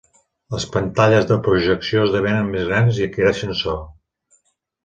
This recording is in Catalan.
Les pantalles de projecció esdevenen més grans i adquireixen so.